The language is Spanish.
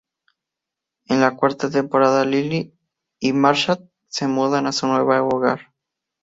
En la cuarta temporada Lily y Marshall se mudan a su nuevo hogar.